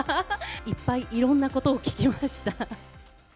いっぱいいろんなことを聞きました。